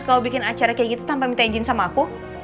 kalau bikin acara kayak gitu tanpa minta izin sama aku